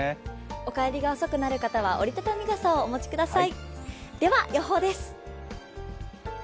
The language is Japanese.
お帰りが遅くなる方は折り畳み傘をお持ちください。